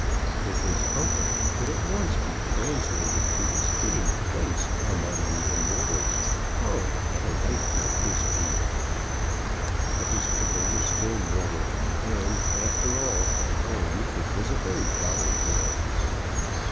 If his uncle could at once be translated to his fitting place among the immortals, oh, what a life might be his! But his uncle was still mortal, and, after all, Polly Neefit was a very jolly girl.